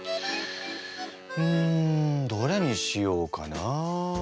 うんどれにしようかな？